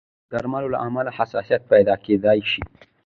د درملو له امله حساسیت پیدا کېدای شي.